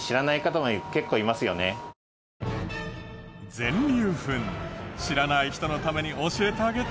全粒粉知らない人のために教えてあげて。